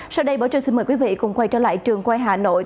sau đây bộ trưởng xin mời quý vị quay trở lại trường quay hà nội